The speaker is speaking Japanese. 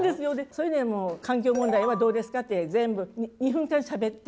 それでもう「環境問題はどうですか？」って全部２分間しゃべって。